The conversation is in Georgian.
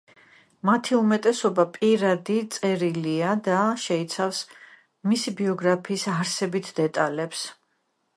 მათი უმეტესობა პირადი წერილია და შეიცავს მისი ბიოგრაფიის არსებით დეტალებს.